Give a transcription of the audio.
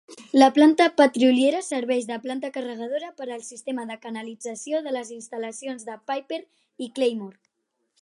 La planta petroliera serveix de planta carregadora per al sistema de canalització de les instal·lacions de Piper i Claymore.